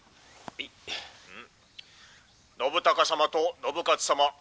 「信孝様と信雄様